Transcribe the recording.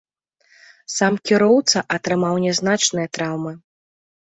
Сам кіроўца атрымаў нязначныя траўмы.